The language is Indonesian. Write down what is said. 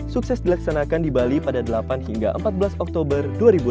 sukses dilaksanakan di bali pada delapan hingga empat belas oktober dua ribu delapan belas